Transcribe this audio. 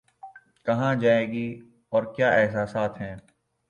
کہاں جائیں گی اور کیا احساسات ہیں